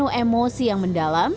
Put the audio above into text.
dan penuh emosi yang mendalam